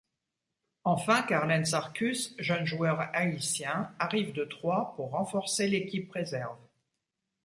Enfin Carlens Arcus, jeune joueur haïtien, arrive de Troyes pour renforcer l'équipe réserve.